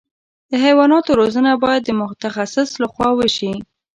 د حیواناتو روزنه باید د متخصص له خوا وشي.